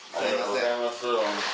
ありがとうございますホント。